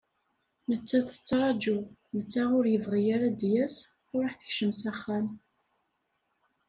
Nettat tettraju, netta ur yebɣi ara ad d-yas, truḥ tekcem s axxam.